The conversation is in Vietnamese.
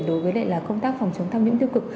đối với công tác phòng chống tham nhũng tiêu cực